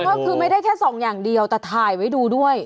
ก็คือไม่ได้แค่ส่องอย่างเดียวแต่ถ่ายไว้ดูด้วย